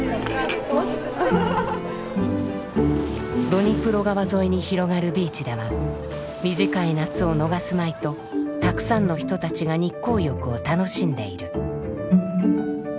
ドニプロ川沿いに広がるビーチでは短い夏を逃すまいとたくさんの人たちが日光浴を楽しんでいる。